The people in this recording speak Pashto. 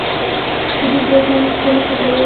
• ته د ذهن ښکلي فکر یې.